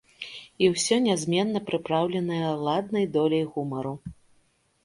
І ўсё нязменна прыпраўленае ладнай доляй гумару.